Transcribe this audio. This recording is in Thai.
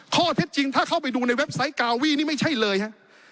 ข้อเท็จจริงถ้าเข้าไปดูในเว็บไซต์กาวีนี่ไม่ใช่เลยฮะ